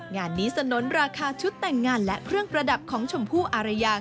งานนี้สนุนราคาชุดแต่งงานและเครื่องประดับของชมพู่อารยา